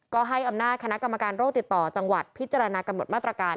ก็ให้อำนาจคณะกรรมการโรคติดต่อจังหวัดพิจารณากำหนดมาตรการ